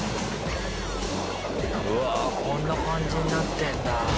「うわこんな感じになってるんだ」